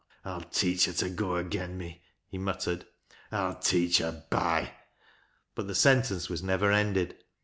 "I'll teach her to go agen me," he muttered. "I'll teach her, by " But the sentence was never ended.